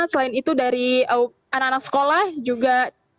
selain itu dari anak anak sekolah juga